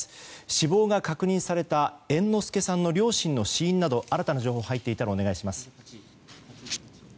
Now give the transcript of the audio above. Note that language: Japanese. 死亡が確認された猿之助さんの両親の死因など新たな情報が入っていたらお願いします。